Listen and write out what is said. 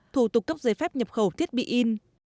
thủ tục cấp giấy phép nhập khẩu thiết bị in